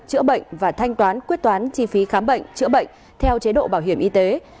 chữa bệnh và thanh toán quyết toán chi phí khám bệnh chữa bệnh theo chế độ bảo hiểm y tế